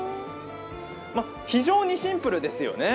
非常にシンプルですよね。